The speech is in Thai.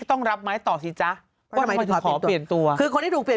ก็ต้องถามคนที่โตเปลี่ยน